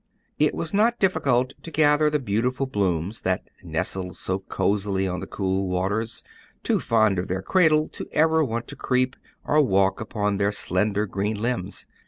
It was not difficult to gather the beautiful blooms, that nested so cosily on the cool waters, too fond of their cradle to ever want to creep, or walk upon their slender green limbs.